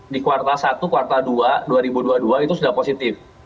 di kuartal satu kuartal dua dua ribu dua puluh dua itu sudah positif